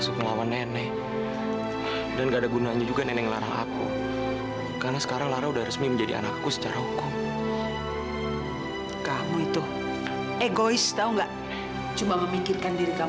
sampai jumpa di video selanjutnya